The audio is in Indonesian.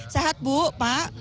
sehat bu pak